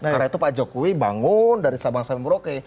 karena itu pak jokowi bangun dari sabang sampai merauke